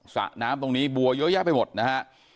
สระน้ำตรงนี้บัวเยอะแยะไปหมดนะฮะ